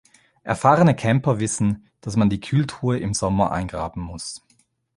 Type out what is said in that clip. Erfahrene Camper wissen, dass man die Kühltruhe im Sommer eingraben muss.